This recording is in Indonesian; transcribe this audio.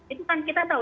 itu kan kita tahu